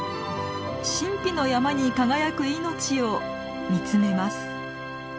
神秘の山に輝く命を見つめます。